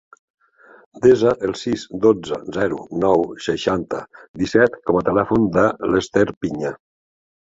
Desa el sis, dotze, zero, nou, seixanta, disset com a telèfon de l'Esther Piña.